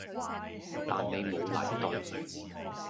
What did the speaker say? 但你無嚟到